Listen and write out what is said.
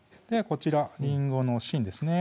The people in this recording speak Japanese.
こちらりんごの芯ですね